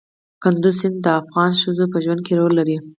کندز سیند د افغان ښځو په ژوند کې رول لري.